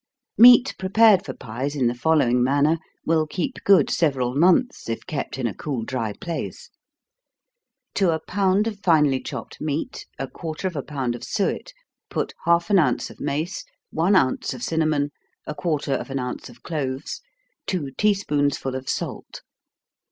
Meat prepared for pies in the following manner, will keep good several months, if kept in a cool dry place: To a pound of finely chopped meat, a quarter of a pound of suet, put half an ounce of mace, one ounce of cinnamon, a quarter of an ounce of cloves, two tea spoonsful of salt.